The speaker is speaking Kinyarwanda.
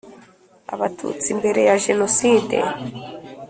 Abatutsi mbere ya Jenoside